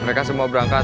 mereka semua berangkat